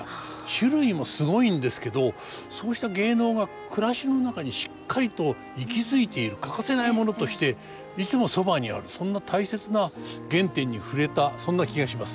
種類もすごいんですけどそうした芸能が暮らしの中にしっかりと息づいている欠かせないものとしていつもそばにあるそんな大切な原点に触れたそんな気がします。